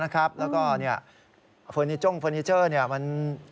แล้วก็เฟอร์นิเจอร์มัน